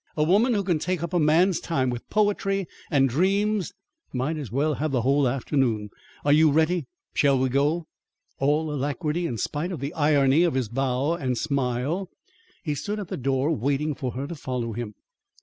"A woman who can take up a man's time, with poetry and dreams, might as well have the whole afternoon. Are you ready? Shall we go?" All alacrity, in spite of the irony of his bow and smile, he stood at the door waiting for her to follow him.